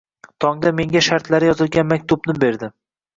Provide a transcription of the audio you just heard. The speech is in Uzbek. Tongda menga shartlari yozilgan maktubni berdi